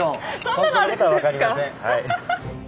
本当のことは分かりません。